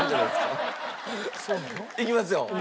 いきますよ。